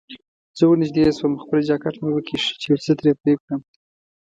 زه ورنژدې شوم، خپل جانکټ مې وکیښ چې یو څه ترې پرې کړم.